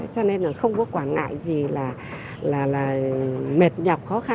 cho nên là không có quản ngại gì là mệt nhọc khó khăn